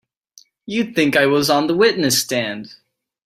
You'd think I was on the witness stand!